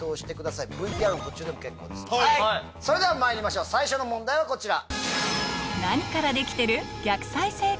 それではまいりましょう最初の問題はこちら。